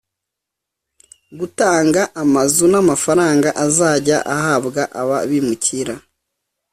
gutanga amazu n’amafaranga azajya ahabwa aba bimukira